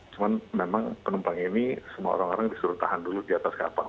cuman memang penumpang ini semua orang orang disuruh tahan dulu di atas kapal